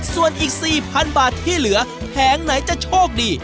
ส่วนอีก๔๐๐๐บาทที่เหลือแผงไหนจะโชคดี